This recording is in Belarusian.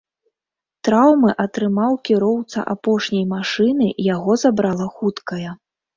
Траўмы атрымаў кіроўца апошняй машыны, яго забрала хуткая.